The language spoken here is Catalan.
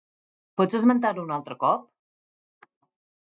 Pots esmentar-ho un altre cop?